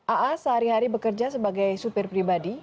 aa sehari hari bekerja sebagai supir pribadi